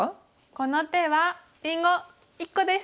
この手はりんご１個です！